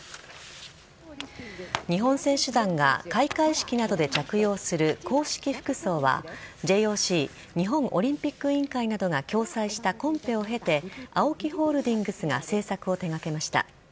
日本選手団が開会式などで着用する公式服装はＪＯＣ＝日本オリンピック委員会などが共催したコンペを経てＡＯＫＩホールディングスが製作を手掛けました。